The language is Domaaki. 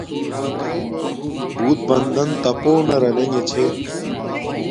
بُݸت بندَن تَپݸ نݳ رنݵݣݺ چھݺ.